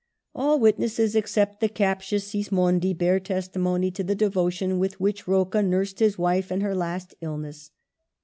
All witnesses except the captious Sismondi bear testimony to the devotion with which Rocca nursed his wife in her last illness.